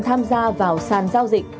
tham gia vào sàn giao dịch